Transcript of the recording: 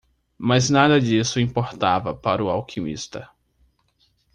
Mas nada disso importava para o alquimista.